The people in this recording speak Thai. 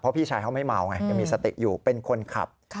พี่ชายเขาไม่เมาไงยังมีสติอยู่เป็นคนขับ